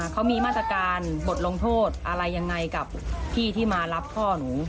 เขามีมาตรการบทลงโทษอะไรยังไงกับพี่ที่มารับพ่อหนู